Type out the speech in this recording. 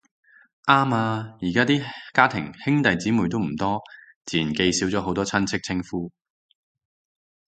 啱呀，而家啲家庭兄弟姊妹都唔多，自然記少咗好多親戚稱呼